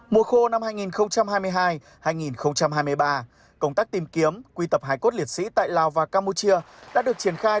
mùa khô năm hai nghìn hai mươi hai hai nghìn hai mươi ba công tác tìm kiếm quy tập hải cốt liệt sĩ tại lào và campuchia đã được triển khai